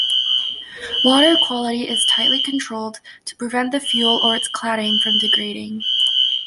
Water quality is tightly controlled to prevent the fuel or its cladding from degrading.